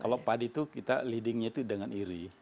kalau padi itu kita leadingnya itu dengan iri